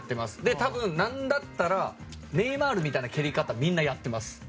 多分、何だったらネイマールみたいな蹴り方をみんなやってます。